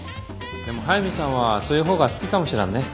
でも速見さんはそういう方が好きかもしらんね。